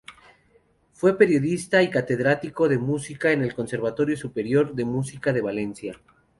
Fue periodista y catedrático de música en el Conservatorio Superior de Música de Valencia.